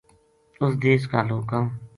اُس دیس کا لوکاں